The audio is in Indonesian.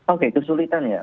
oke kesulitan ya